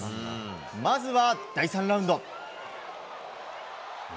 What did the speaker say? まずは、第３ラウンド。